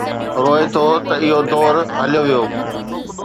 روئي ٿو ته اهو دور هليو ويو.